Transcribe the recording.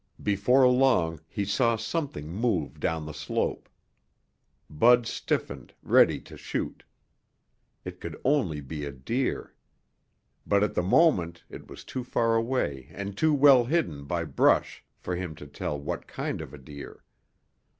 Before long he saw something move down the slope. Bud stiffened, ready to shoot. It could only be a deer. But at the moment it was too far away and too well hidden by brush for him to tell what kind of a deer.